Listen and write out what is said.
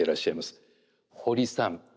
堀さん。